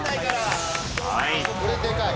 これでかい。